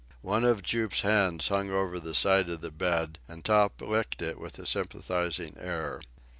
One of Jup's hands hung over the side of his bed, and Top licked it with a sympathizing air.